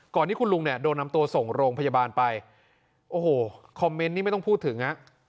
ที่คุณลุงเนี่ยโดนนำตัวส่งโรงพยาบาลไปโอ้โหคอมเมนต์นี้ไม่ต้องพูดถึงฮะ